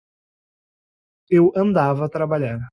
Eu andava a trabalhar.